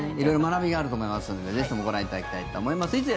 色々、学びがあると思いますのでぜひともご覧いただきたいと思います。